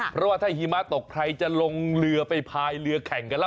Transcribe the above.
เพราะว่าถ้าหิมะตกใครจะลงเรือไปพายเรือแข่งกันแล้ว